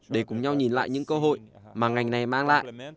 để cùng nhau nhìn lại những cơ hội mà ngành này mang lại